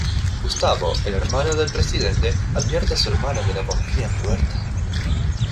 Gustavo, el hermano del presidente, advierte a su hermano que no confía en Huerta.